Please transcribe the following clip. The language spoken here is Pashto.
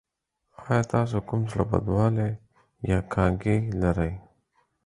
ایا تاسو کوم زړه بدوالی یا کانګې لرئ؟